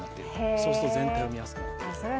そうすると全体を見やすくなると。